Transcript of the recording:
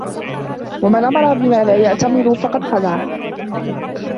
وَمَنْ أَمَرَ بِمَا لَا يَأْتَمِرُ فَقَدْ خَدَعَ